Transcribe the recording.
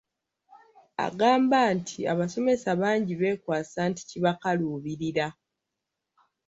Agamba nti abasomesa bangi beekwasa nti kibakaluubirira.